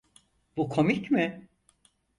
Bu komik mi?